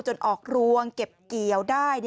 ออกรวงเก็บเกี่ยวได้